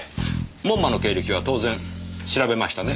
門馬の経歴は当然調べましたね。